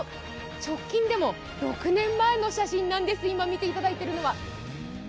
直近でも６年前の写真なんです、今見ていただいているのは。